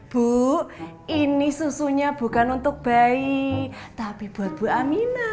bu ini susunya bukan untuk bayi tapi buat bu amina